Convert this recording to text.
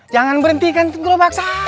jangan berhentikan kelopak saaaat